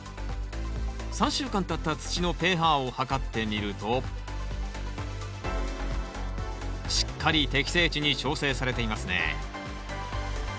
３週間たった土のｐＨを測ってみるとしっかり適正値に調整されていますね